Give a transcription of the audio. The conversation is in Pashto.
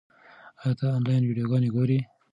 ایا ته آنلاین ویډیوګانې ګورې؟